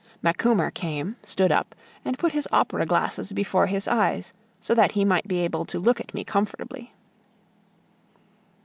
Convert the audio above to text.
Macumer came, stood up, and put his opera glasses before his eyes so that he might be able to look at me comfortably.